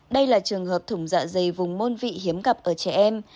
đây là trường hợp thủng dạ dày vùng môn vị hiếm gặp ở trẻ em